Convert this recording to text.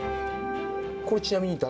これ、ちなみに誰？